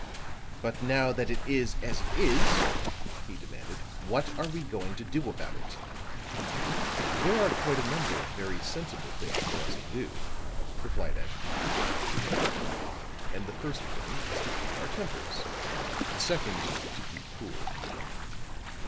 "But now that it is as it is," he demanded, "what are we going to do about it?" "There are quite a number of very sensible things for us to do," replied Ashton Kirk, good humoredly. "And the first of them is to keep our tempers the second to keep cool."